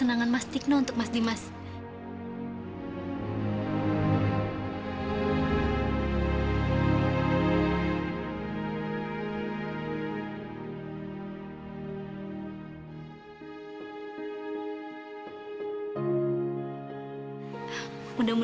mudah mudahan masih masuk kak